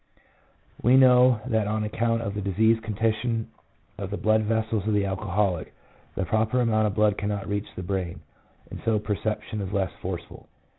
1 We know that on account of the diseased condition of the blood vessels of the alcoholic, the proper amount of blood cannot reach the brain, and so perception is less forceful.